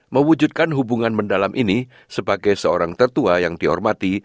mewujudkan hubungan mendalam ini sebagai seorang tertua yang dihormati